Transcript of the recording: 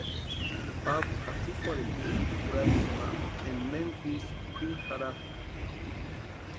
Pablu jatsïkwarhisti misitu urapiti ma énka ménku isï kwʼini jarhakʼa.